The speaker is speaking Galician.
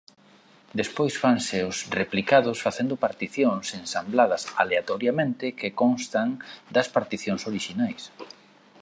Despois fanse os replicados facendo particións ensambladas aleatoriamente que constan das particións orixinais.